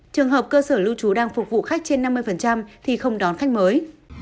trường hợp cơ sở lưu trú đang phục vụ khách trên năm mươi thì không đón khách mới